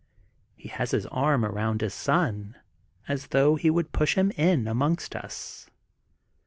He has his arm around his son, as though he would push him in amongst us.